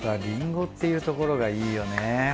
りんごっていうところがいいよね。